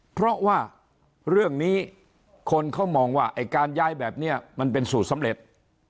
เพราะว่าเรื่องนี้คนเขามองว่าไอ้การย้ายแบบนี้มันเป็นสูตรสำเร็จ